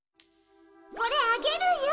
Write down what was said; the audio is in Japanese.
これあげるよ。